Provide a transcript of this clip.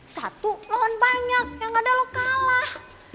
satu pohon banyak yang ada lo kalah